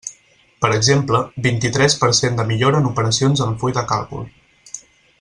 Per exemple, vint-i-tres per cent de millora en operacions en el full de càlcul.